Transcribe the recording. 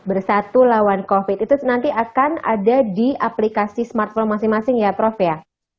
bersatu lawan covid itu nanti akan ada di aplikasi smartphone masing masing ya prof ya